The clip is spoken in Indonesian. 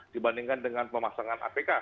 dibandingkan dengan pemasangan apk